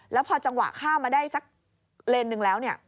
แล้วพอจังหวะข้ามมาได้สักเลนหนึ่งแล้วเนี่ย